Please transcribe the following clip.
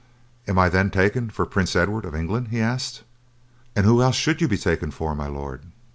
"Am I then taken for Prince Edward of England?" he asked. "An' who else should you be taken for, my Lord?"